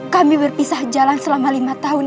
kami berpisah jalan selama lima tahun